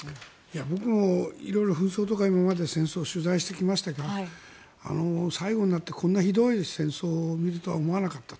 僕も色々、紛争とか今まで戦争を取材してきましたが最後になってこんなひどい戦争を見るとは思わなかった。